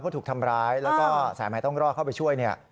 ถูกทำร้ายแล้วก็สายใหม่ต้องรอดเข้าไปช่วยเนี่ย